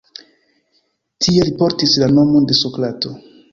Tie li portis la nomon de Sokrato.